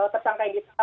tersangka yang disatapkan